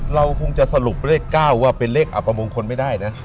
เราคงจะสรุปเลข๙ว่าเป็นเลขอับประมงคลไม่ได้นะ